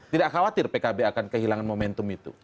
tidak khawatir pkb akan kehilangan momentum itu